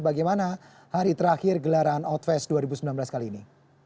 bagaimana hari terakhir gelaran outfest dua ribu sembilan belas kali ini